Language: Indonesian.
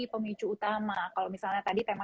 pemicu utama kalau misalnya tadi tema